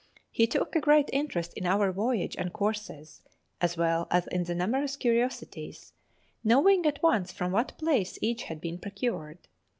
He took a great interest in our voyage and courses, as well as in the numerous curiosities, knowing at once from what place each had been procured.